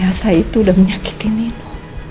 rasa itu udah menyakiti nino